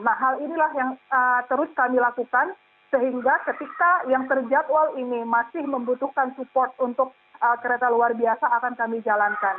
nah hal inilah yang terus kami lakukan sehingga ketika yang terjadwal ini masih membutuhkan support untuk kereta luar biasa akan kami jalankan